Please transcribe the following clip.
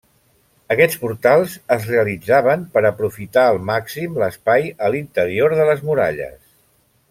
Aquests portals es realitzaven per aprofitar al màxim l'espai a l'interior de les muralles.